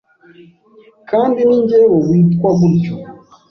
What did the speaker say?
kandi ni jyewe witwa gutyo,